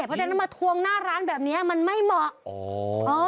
เพราะฉะนั้นมาทวงหน้าร้านแบบนี้มันไม่เหมาะ